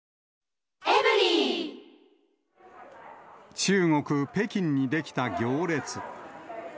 中国・北京に出来た行列。